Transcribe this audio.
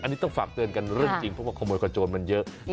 อันนี้ต้องฝากเตือนกันเรื่องจริงแล้วกว่าขโมยก่าวโจทย์มันเยอะ